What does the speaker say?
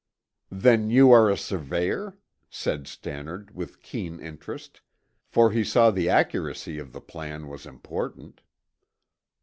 "Then, you are a surveyor?" said Stannard with keen interest, for he saw the accuracy of the plan was important.